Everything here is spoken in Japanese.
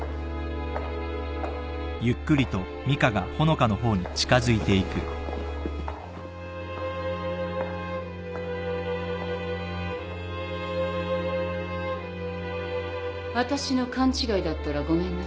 私の勘違いだったらごめんなさいね